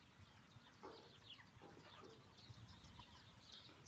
alisema kuwa serikali inatathmini kiwango gani kinadaiwa